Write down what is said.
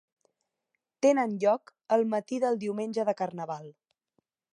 Tenen lloc el matí del diumenge de Carnaval.